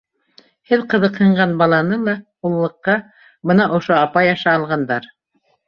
-Һеҙ ҡыҙыҡһынған баланы ла уллыҡҡа бына ошо апай аша алғандар.